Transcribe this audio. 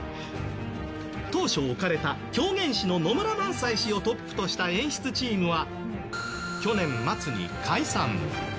当初置かれた、狂言師の野村萬斎氏をトップとした演出チームは去年末に解散。